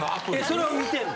それを見てるの？